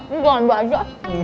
enggak enggak ada